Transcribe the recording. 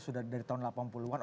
sudah dari tahun delapan puluh an